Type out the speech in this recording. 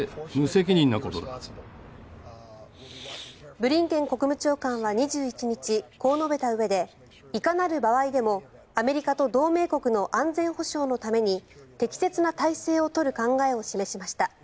ブリンケン国務長官は２１日こう述べたうえでいかなる場合でもアメリカと同盟国の安全保障のために適切な態勢を取る考えを示しました。